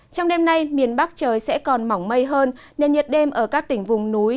trong đêm nay miền bắc trời sẽ còn mỏng mây hơn nên nhiệt đêm ở các tỉnh vùng núi